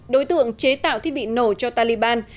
đối tượng chế tạo thiết bị nổ cho taliban